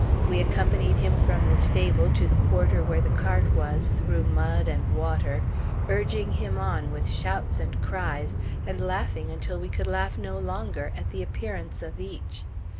We accompanied him from the stable to the quarter where the cart was, through mud and water, urging him on with shouts and cries, and laughing until we could laugh no longer, at the appearance of each.